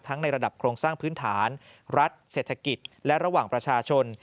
ในระดับโครงสร้างพื้นฐานรัฐเศรษฐกิจและระหว่างประชาชน